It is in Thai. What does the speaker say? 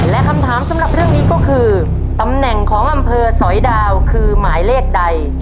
และคำถามสำหรับเรื่องนี้ก็คือตำแหน่งของอำเภอสอยดาวคือหมายเลขใด